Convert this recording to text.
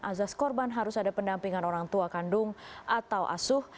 azas korban harus ada pendampingan orang tua kandung atau asuh